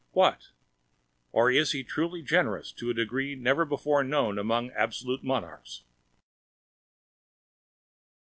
What? Or is he truly generous, to a degree never before known among absolute monarchs?